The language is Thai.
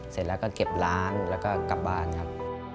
เสร็จแล้วก็เก็บร้านแล้วก็กลับบ้านครับ